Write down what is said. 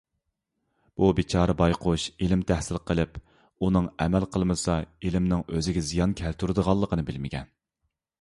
بۇ بىچارە بايقۇش ئىلىم تەھسىل قىلىپ ئۇنىڭغا ئەمەل قىلمىسا ئىلىمنىڭ ئۆزىگە زىيان كەلتۈرىدىغانلىقىنى بىلمىگەن.